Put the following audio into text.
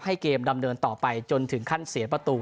เกมดำเนินต่อไปจนถึงขั้นเสียประตู